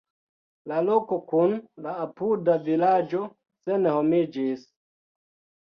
La loko kun la apuda vilaĝo senhomiĝis.